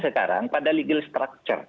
sekarang pada legal structure